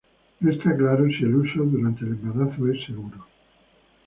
No está claro si el uso durante el embarazo es seguro.